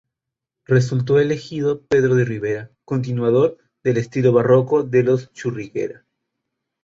Resultó elegido Pedro de Ribera, continuador del estilo barroco de los Churriguera.